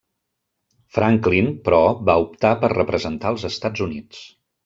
Franklin, però, va optar per representar els Estats Units.